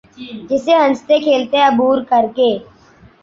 جسے ہنستے کھیلتے عبور کر کے